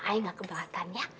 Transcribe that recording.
ayo gak keberatan ya